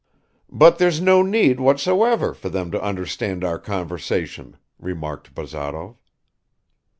"But there's no need whatsoever for them to understand our conversation," remarked Bazarov.